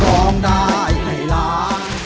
ร้องได้ให้ล้าน